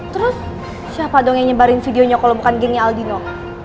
terus siapa dong yang nyebarin videonya kalau bukan gengnya aldino